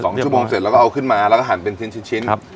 สองชั่วโมงเสร็จแล้วก็เอาขึ้นมาแล้วก็หั่นเป็นชิ้นชิ้นชิ้นครับ